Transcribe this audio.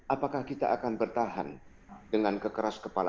apakah kita akan bertahan dengan kekeras kepala kita